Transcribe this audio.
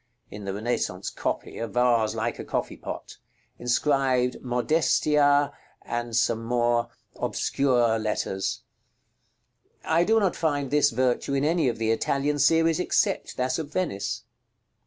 (In the Renaissance copy, a vase like a coffee pot.) Inscribed "MODESTIA [Illustration: Graphic signs]." I do not find this virtue in any of the Italian series, except that of Venice.